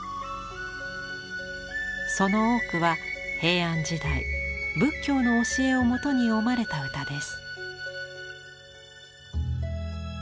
その多くは平安時代仏教の教えをもとに詠まれた歌です。